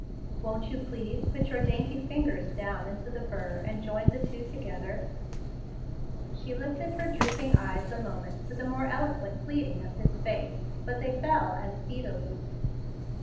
Won't you please put your dainty fingers down into the burr and join the two together?" She lifted her drooping eyes a moment to the more eloquent pleading of his face, but they fell as speedily.